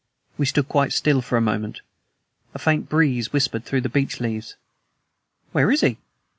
We stood quite still for a moment. A faint breeze whispered through the beech leaves. "Where is he?"